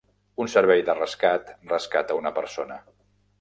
Un servei de rescat rescata una persona.